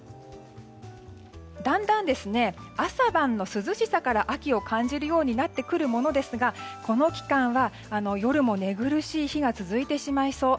だんだん、朝晩の涼しさから秋を感じるようになってくるものですがこの期間は夜も寝苦しい日が続いてしまいそう。